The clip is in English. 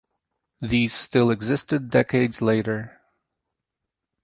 These still existed decades later.